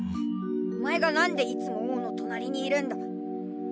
お前がなんでいつも王の隣にいるんだ。